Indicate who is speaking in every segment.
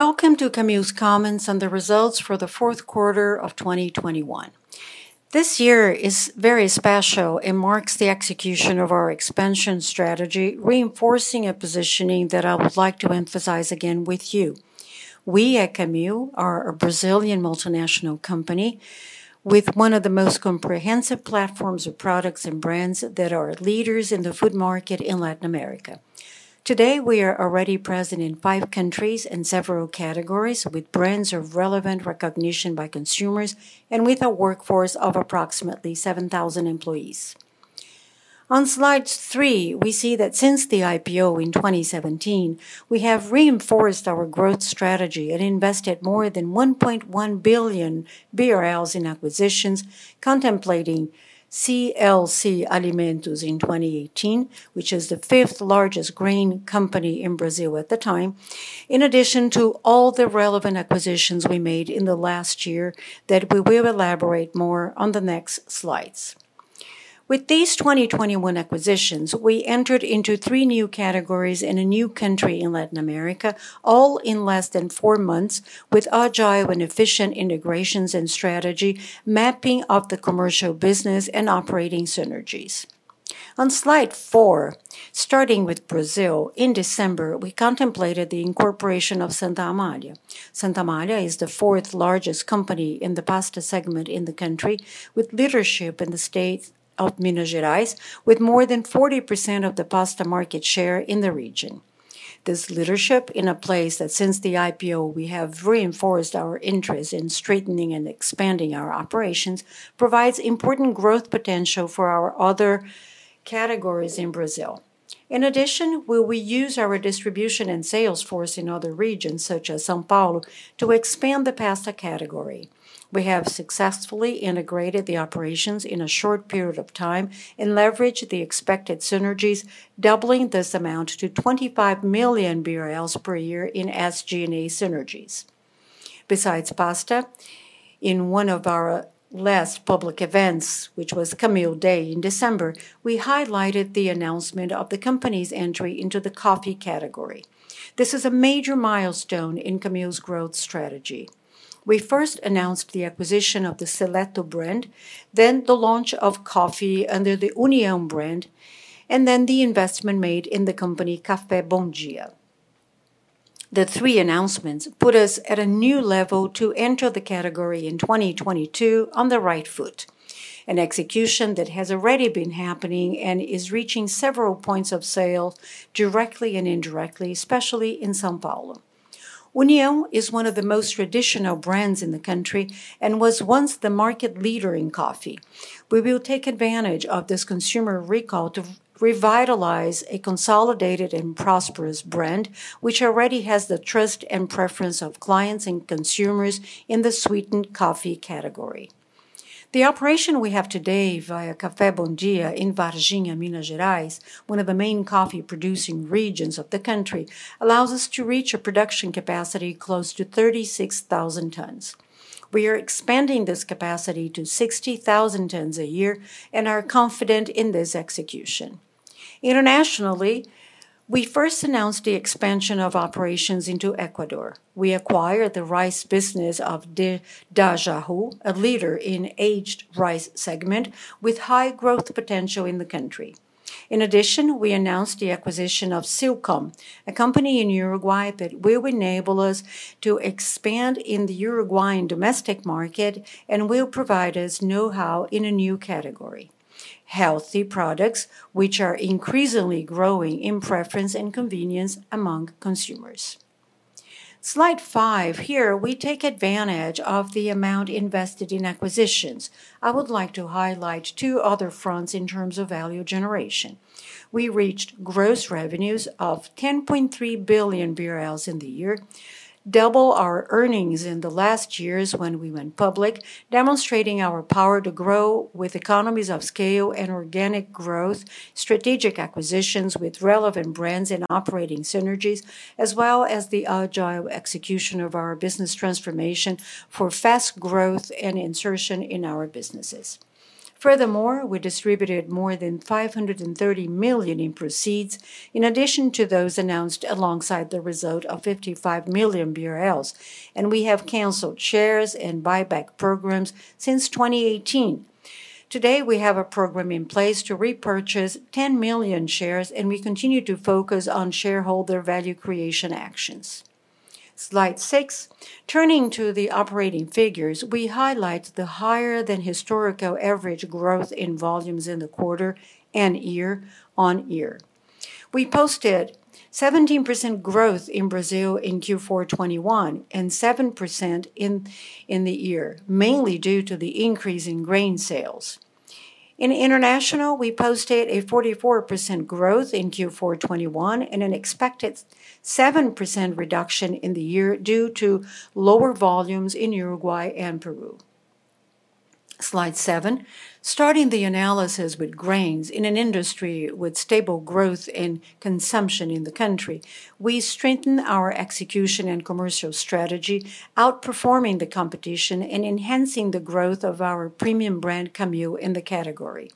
Speaker 1: Welcome to Camil's comments on the results for the fourth quarter of 2021. This year is very special. It marks the execution of our expansion strategy, reinforcing a positioning that I would like to emphasize again with you. We at Camil are a Brazilian multinational company with one of the most comprehensive platforms of products and brands that are leaders in the food market in Latin America. Today, we are already present in five countries and several categories with brands of relevant recognition by consumers and with a workforce of approximately 7,000 employees. On slide three, we see that since the IPO in 2017, we have reinforced our growth strategy and invested more than 1.1 billion BRL in acquisitions, including SLC Alimentos in 2018, which is the fifth largest grain company in Brazil at the time, in addition to all the relevant acquisitions we made in the last year that we will elaborate more on the next slides. With these 2021 acquisitions, we entered into three new categories in a new country in Latin America, all in less than four months, with agile and efficient integrations and strategy, mapping of the commercial business and operating synergies. On slide four, starting with Brazil, in December, we completed the acquisition of Santa Amália. Santa Amália is the fourth largest company in the pasta segment in the country, with leadership in the state of Minas Gerais, with more than 40% of the pasta market share in the region. This leadership in a place that since the IPO we have reinforced our interest in strengthening and expanding our operations provides important growth potential for our other categories in Brazil. In addition, we will use our distribution and sales force in other regions, such as São Paulo, to expand the pasta category. We have successfully integrated the operations in a short period of time and leveraged the expected synergies, doubling this amount to 25 million BRL per year in SG&A synergies. Besides pasta, in one of our last public events, which was Camil Day in December, we highlighted the announcement of the company's entry into the coffee category. This is a major milestone in Camil's growth strategy. We first announced the acquisition of the Seleto brand, then the launch of coffee under the União brand, and then the investment made in the company Café Bom Dia. The three announcements put us at a new level to enter the category in 2022 on the right foot, an execution that has already been happening and is reaching several points of sale directly and indirectly, especially in São Paulo. União is one of the most traditional brands in the country and was once the market leader in coffee. We will take advantage of this consumer recall to revitalize a consolidated and prosperous brand, which already has the trust and preference of clients and consumers in the sweetened coffee category. The operation we have today via Café Bom Dia in Varginha, Minas Gerais, one of the main coffee-producing regions of the country, allows us to reach a production capacity close to 36,000 tons. We are expanding this capacity to 60,000 tons a year and are confident in this execution. Internationally, we first announced the expansion of operations into Ecuador. We acquired the rice business of Dajahu, a leader in aged rice segment with high growth potential in the country. In addition, we announced the acquisition of Silcom, a company in Uruguay that will enable us to expand in the Uruguayan domestic market and will provide us know-how in a new category, healthy products, which are increasingly growing in preference and convenience among consumers. Slide five, here we take advantage of the amount invested in acquisitions. I would like to highlight two other fronts in terms of value generation. We reached gross revenues of 10.3 billion BRL in the year, double our earnings in the last years when we went public, demonstrating our power to grow with economies of scale and organic growth, strategic acquisitions with relevant brands and operating synergies, as well as the agile execution of our business transformation for fast growth and insertion in our businesses. Furthermore, we distributed more than 530 million in proceeds, in addition to those announced alongside the result of 55 million BRL, and we have canceled shares and buyback programs since 2018. Today, we have a program in place to repurchase 10 million shares, and we continue to focus on shareholder value creation actions. Slide six, turning to the operating figures, we highlight the higher than historical average growth in volumes in the quarter and year-over-year. We posted 17% growth in Brazil in Q4 2021 and 7% in the year, mainly due to the increase in grain sales. In international, we posted a 44% growth in Q4 2021 and an expected 7% reduction in the year due to lower volumes in Uruguay and Peru. Slide seven, starting the analysis with grains in an industry with stable growth in consumption in the country, we strengthen our execution and commercial strategy, outperforming the competition and enhancing the growth of our premium brand Camil in the category.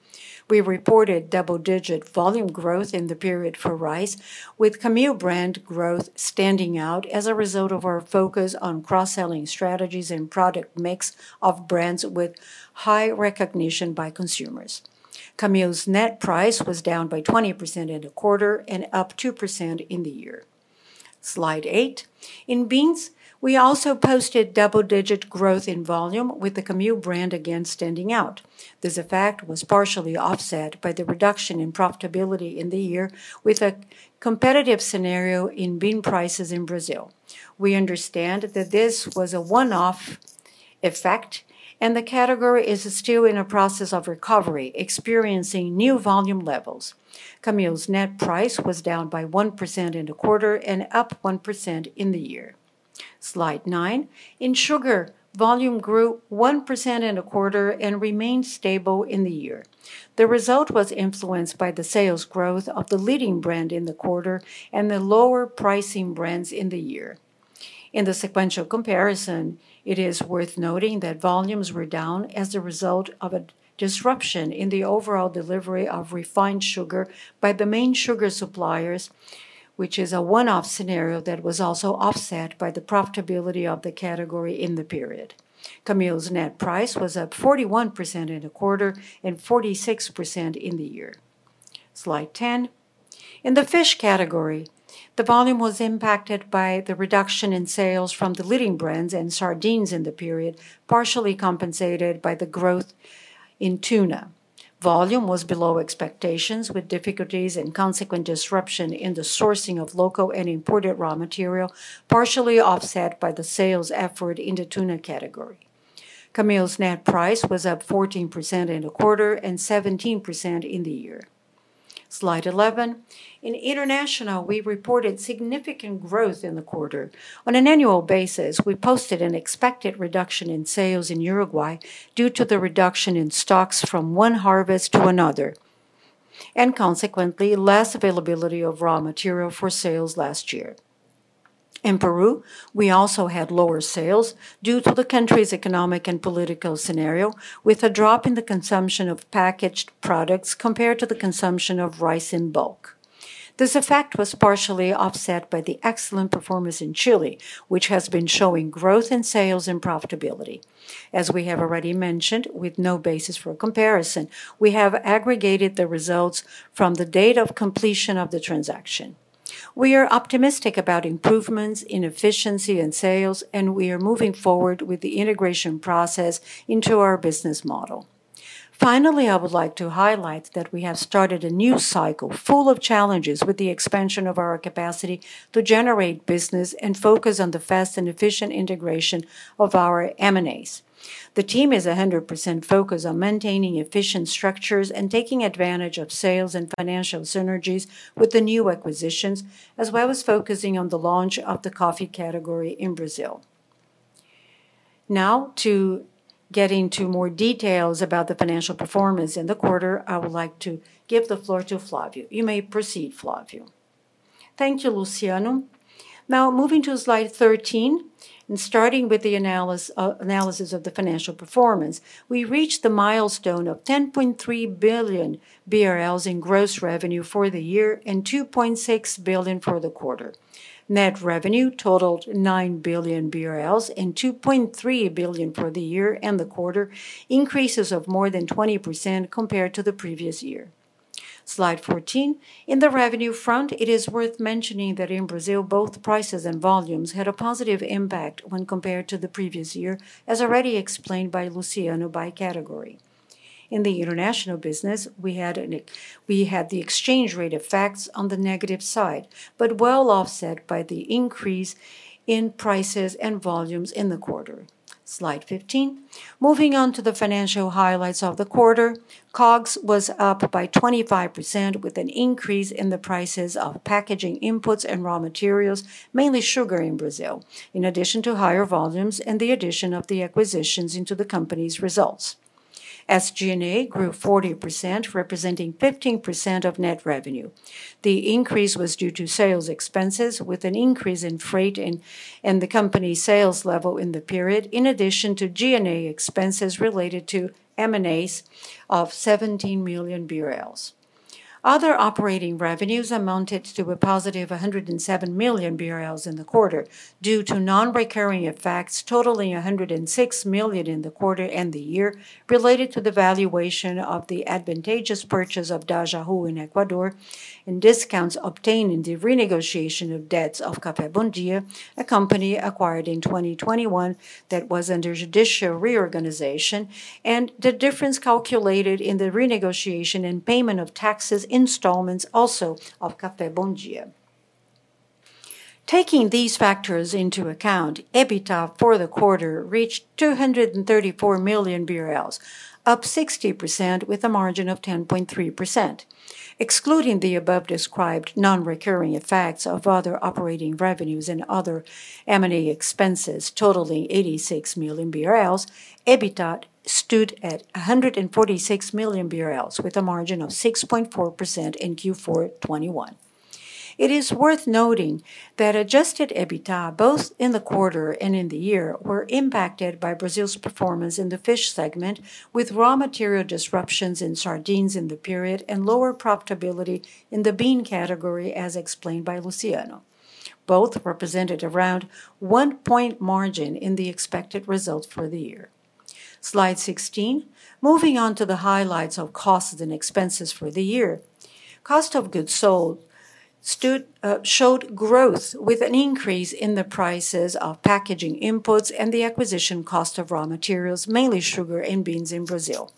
Speaker 1: We reported double-digit volume growth in the period for rice, with Camil brand growth standing out as a result of our focus on cross-selling strategies and product mix of brands with high recognition by consumers. Camil's net price was down by 20% in the quarter and up 2% in the year. Slide eight. In beans, we also posted double-digit growth in volume with the Camil brand again standing out. This effect was partially offset by the reduction in profitability in the year with a competitive scenario in bean prices in Brazil. We understand that this was a one-off effect, and the category is still in a process of recovery, experiencing new volume levels. Camil's net price was down by 1% in the quarter and up 1% in the year. Slide nine. In sugar, volume grew 1% in the quarter and remained stable in the year. The result was influenced by the sales growth of the leading brand in the quarter and the lower pricing brands in the year. In the sequential comparison, it is worth noting that volumes were down as a result of a disruption in the overall delivery of refined sugar by the main sugar suppliers, which is a one-off scenario that was also offset by the profitability of the category in the period. Camil's net price was up 41% in the quarter and 46% in the year. Slide 10. In the fish category, the volume was impacted by the reduction in sales from the leading brands and sardines in the period, partially compensated by the growth in tuna. Volume was below expectations with difficulties and consequent disruption in the sourcing of local and imported raw material, partially offset by the sales effort in the tuna category. Camil's net price was up 14% in the quarter and 17% in the year. Slide 11. In international, we reported significant growth in the quarter. On an annual basis, we posted an expected reduction in sales in Uruguay due to the reduction in stocks from one harvest to another, and consequently, less availability of raw material for sales last year. In Peru, we also had lower sales due to the country's economic and political scenario, with a drop in the consumption of packaged products compared to the consumption of rice in bulk. This effect was partially offset by the excellent performance in Chile, which has been showing growth in sales and profitability. As we have already mentioned, with no basis for comparison, we have aggregated the results from the date of completion of the transaction. We are optimistic about improvements in efficiency and sales, and we are moving forward with the integration process into our business model. Finally, I would like to highlight that we have started a new cycle full of challenges with the expansion of our capacity to generate business and focus on the fast and efficient integration of our M&As. The team is 100% focused on maintaining efficient structures and taking advantage of sales and financial synergies with the new acquisitions, as well as focusing on the launch of the coffee category in Brazil. Now, to get into more details about the financial performance in the quarter, I would like to give the floor to Flavio. You may proceed, Flavio. Thank you, Luciano.
Speaker 2: Now, moving to slide 13 and starting with the analysis of the financial performance, we reached the milestone of 10.3 billion BRL in gross revenue for the year and 2.6 billion for the quarter. Net revenue totaled 9 billion BRL and 2.3 billion for the year and the quarter, increases of more than 20% compared to the previous year. Slide 14. In the revenue front, it is worth mentioning that in Brazil, both prices and volumes had a positive impact when compared to the previous year, as already explained by Luciano by category. In the international business, we had the exchange rate effects on the negative side, but well offset by the increase in prices and volumes in the quarter. Slide 15. Moving on to the financial highlights of the quarter, COGS was up by 25% with an increase in the prices of packaging inputs and raw materials, mainly sugar in Brazil, in addition to higher volumes and the addition of the acquisitions into the company's results. SG&A grew 40%, representing 15% of net revenue. The increase was due to sales expenses with an increase in freight and the company's sales level in the period, in addition to G&A expenses related to M&As of 17 million BRL. Other operating revenues amounted to a +107 million BRL in the quarter due to non-recurring effects totaling 106 million BRL in the quarter and the year related to the valuation of the advantageous purchase of Dajahu in Ecuador and discounts obtained in the renegotiation of debts of Café Bom Dia, a company acquired in 2021 that was under judicial reorganization, and the difference calculated in the renegotiation and payment of taxes installments also of Café Bom Dia. Taking these factors into account, EBITDA for the quarter reached 234 million BRL, up 60% with a margin of 10.3%. Excluding the above described non-recurring effects of other operating revenues and other M&A expenses totaling 86 million BRL, EBITDA stood at 146 million BRL with a margin of 6.4% in Q4 2021. It is worth noting that Adjusted EBITDA, both in the quarter and in the year, were impacted by Brazil's performance in the fish segment with raw material disruptions in sardines in the period and lower profitability in the bean category, as explained by Luciano. Both represented around 1 point margin in the expected result for the year. Slide 16. Moving on to the highlights of costs and expenses for the year. Cost of goods sold showed growth with an increase in the prices of packaging inputs and the acquisition cost of raw materials, mainly sugar and beans in Brazil.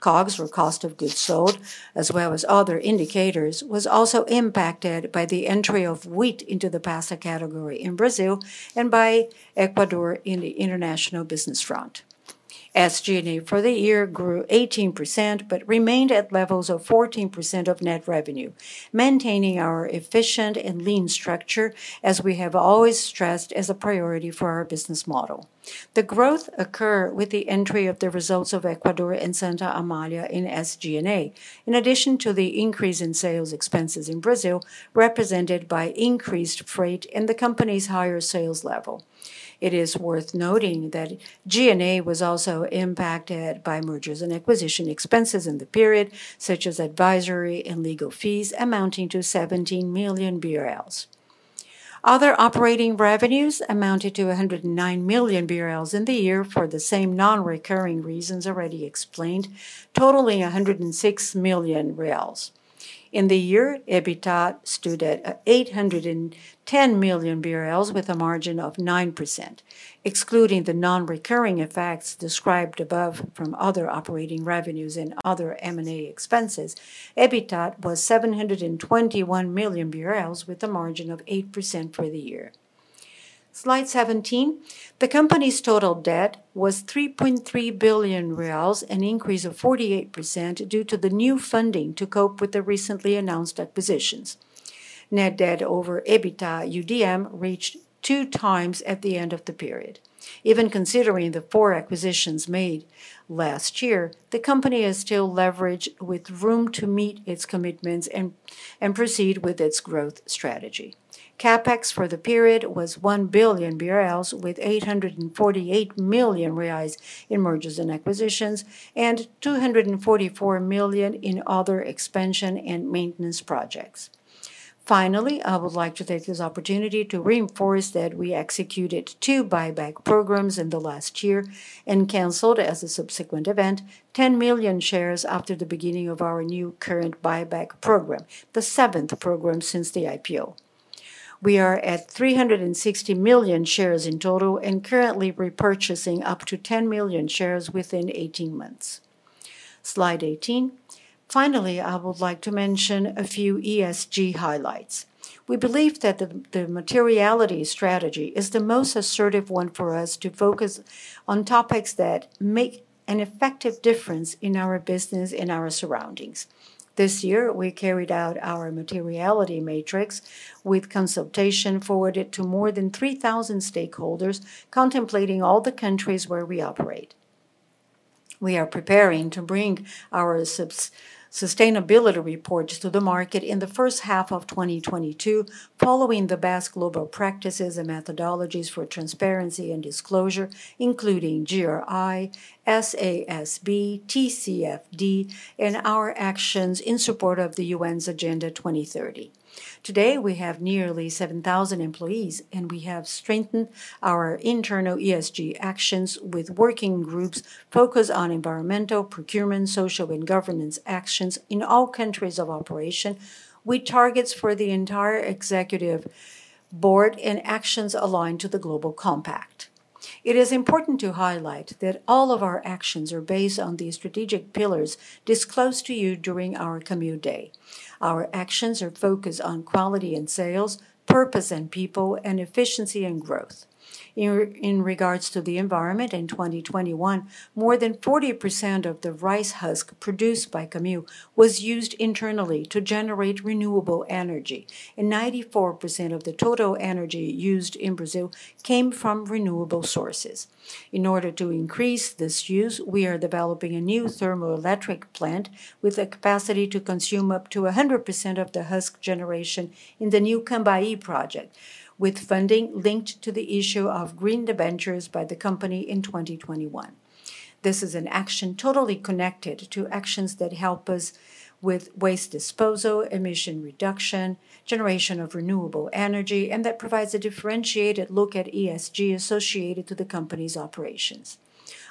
Speaker 2: COGS, or cost of goods sold, as well as other indicators, was also impacted by the entry of wheat into the pasta category in Brazil and by Ecuador in the international business front. SG&A for the year grew 18% but remained at levels of 14% of net revenue, maintaining our efficient and lean structure as we have always stressed as a priority for our business model. The growth occur with the entry of the results of Ecuador and Santa Amália in SG&A, in addition to the increase in sales expenses in Brazil, represented by increased freight and the company's higher sales level. It is worth noting that G&A was also impacted by mergers and acquisition expenses in the period, such as advisory and legal fees amounting to 17 million BRL. Other operating revenues amounted to 109 million BRL in the year for the same non-recurring reasons already explained, totaling 106 million reais. In the year, EBITDA stood at 810 million BRL with a margin of 9%. Excluding the non-recurring effects described above from other operating revenues and other M&A expenses, EBITDA was 721 million with a margin of 8% for the year. Slide 17. The company's total debt was 3.3 billion reais, an increase of 48% due to the new funding to cope with the recently announced acquisitions. Net debt over EBITDA LTM reached 2x at the end of the period. Even considering the four acquisitions made last year, the company is still leveraged with room to meet its commitments and proceed with its growth strategy. CapEx for the period was 1 billion BRL with 848 million reais in mergers and acquisitions and 244 million in other expansion and maintenance projects. Finally, I would like to take this opportunity to reinforce that we executed two buyback programs in the last year and canceled as a subsequent event 10 million shares after the beginning of our new current buyback program, the 7th program since the IPO. We are at 360 million shares in total and currently repurchasing up to 10 million shares within 18 months. Slide 18. Finally, I would like to mention a few ESG highlights. We believe that the materiality strategy is the most assertive one for us to focus on topics that make an effective difference in our business and our surroundings. This year, we carried out our materiality matrix with consultation forwarded to more than 3,000 stakeholders, contemplating all the countries where we operate. We are preparing to bring our sustainability reports to the market in the first half of 2022 following the best global practices and methodologies for transparency and disclosure, including GRI, SASB, TCFD, and our actions in support of the UN's Agenda 2030. Today, we have nearly 7,000 employees, and we have strengthened our internal ESG actions with working groups focused on environmental, procurement, social, and governance actions in all countries of operation with targets for the entire executive board and actions aligned to the Global Compact. It is important to highlight that all of our actions are based on the strategic pillars disclosed to you during our Camil Day. Our actions are focused on quality and sales, purpose and people, and efficiency and growth. In regards to the environment in 2021, more than 40% of the rice husk produced by Camil was used internally to generate renewable energy, and 94% of the total energy used in Brazil came from renewable sources. In order to increase this use, we are developing a new thermoelectric plant with a capacity to consume up to 100% of the husk generation in the new Cambaí project with funding linked to the issue of green debentures by the company in 2021. This is an action totally connected to actions that help us with waste disposal, emission reduction, generation of renewable energy, and that provides a differentiated look at ESG associated to the company's operations.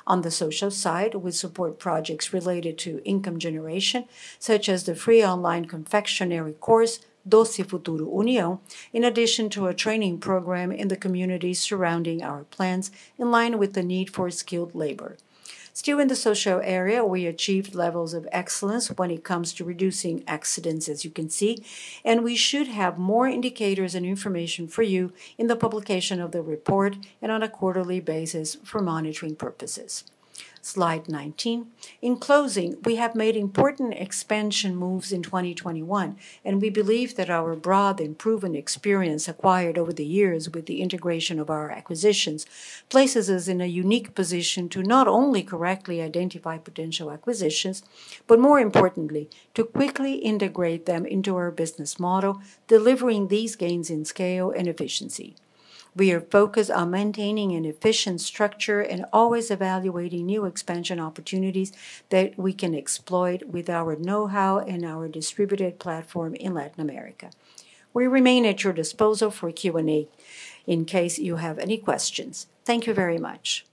Speaker 2: On the social side, we support projects related to income generation, such as the free online confectionery course, Doce Futuro União, in addition to a training program in the communities surrounding our plants in line with the need for skilled labor. Still in the social area, we achieved levels of excellence when it comes to reducing accidents, as you can see, and we should have more indicators and information for you in the publication of the report and on a quarterly basis for monitoring purposes. Slide 19. In closing, we have made important expansion moves in 2021, and we believe that our broad and proven experience acquired over the years with the integration of our acquisitions places us in a unique position to not only correctly identify potential acquisitions but, more importantly, to quickly integrate them into our business model, delivering these gains in scale and efficiency. We are focused on maintaining an efficient structure and always evaluating new expansion opportunities that we can exploit with our know-how and our distributed platform in Latin America. We remain at your disposal for Q&A in case you have any questions. Thank you very much.